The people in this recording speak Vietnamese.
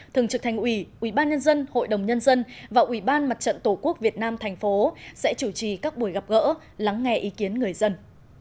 thường trực thành ủy ubnd hội đồng nhân dân và ubnd tp hcm sẽ chủ trì các buổi gặp gỡ lắng nghe ý kiến người dân